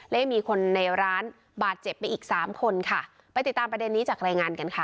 และยังมีคนในร้านบาดเจ็บไปอีกสามคนค่ะไปติดตามประเด็นนี้จากรายงานกันค่ะ